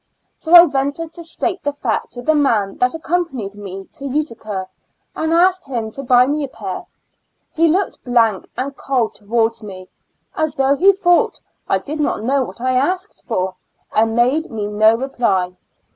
So I ventured to state the fact to the man that accom panied me to Utica, and asked him to buy me a pair ; he looked blank and cold to wards me, as though he thought I did not know what I asked for, and made me no reply.